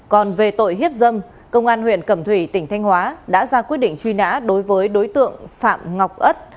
còn về tội hiếp dâm công an huyện cẩm thủy tỉnh thanh hóa đã ra quyết định truy nã đối với đối tượng phạm ngọc ất